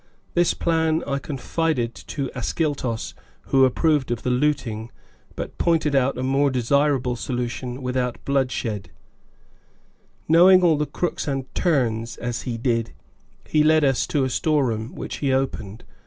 This plan I confided to Ascyltos, who approved of the looting, but pointed out a more desirable solution without bloodshed: knowing all the crooks and turns, as he did, he led us to a store room which he opened.